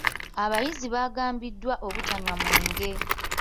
Abayizi baagambiddwa obutanywa mwenge.